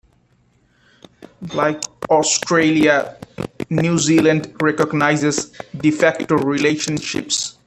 Like Australia, New Zealand recognizes "de facto" relationships.